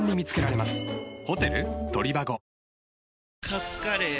カツカレー？